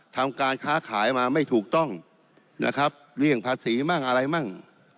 ทำการค้าขายมาไม่ถูกต้องนะครับเลี่ยงภาษีมั่งอะไรมั่ง